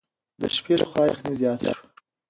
د شپې له خوا یخني زیاته شوه.